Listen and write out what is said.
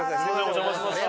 お邪魔しました。